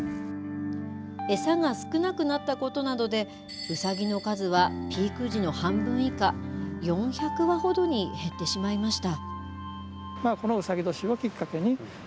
餌が少なくなったことなどで、うさぎの数はピーク時の半分以下、４００羽ほどに減ってしまいました。